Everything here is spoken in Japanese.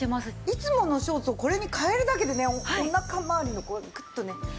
いつものショーツをこれに変えるだけでねお腹まわりのこうグッとね引っ込んでね。